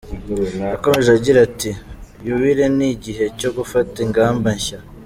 Yakomeje agira ati “yubile ni igihe cyo gufata ingamba nshya.